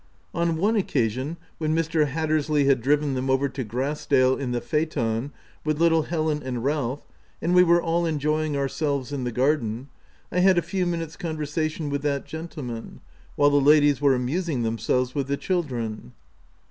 On one occasion, when Mr. Hatters ley had driven them over to Grass dale in the phaeton, with little Helen and Ralph, and we were all enjoying ourselves in the garden — I had a few minutes conversation with that gentle man, while the ladies were amusing themselves with the children.